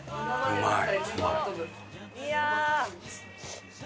うまい？